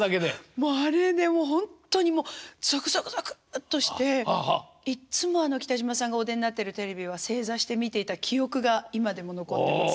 もうあれでほんとにもうゾクゾクゾクッとしていっつも北島さんがお出になってるテレビは正座して見ていた記憶が今でも残ってます。